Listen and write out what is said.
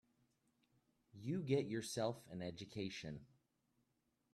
You get yourself an education.